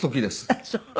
あっそう。